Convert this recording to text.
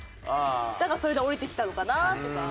だからそれで降りてきたのかな？とか。